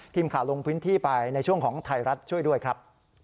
ทีมข่าวลงพื้นที่ไปในช่วงของไทยรัฐช่วยด้วยครับ